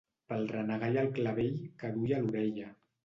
...pel renegar i el clavell que duia a l'orella